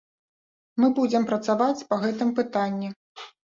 Мы будзем працаваць па гэтым пытанні.